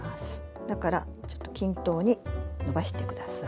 だからちょっと均等にのばしてください。